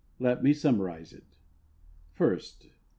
Let me summarize it. First.